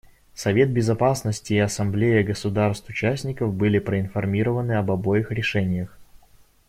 Совет Безопасности и Ассамблея государств-участников были проинформированы об обоих решениях.